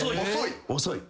遅い？